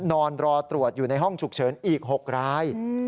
นอนรอตรวจอยู่ในห้องฉุกเฉินอีก๖ราย